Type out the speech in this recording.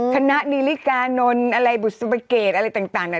คณะนิริกานรบุษบาเกตอะไรต่างน่ะ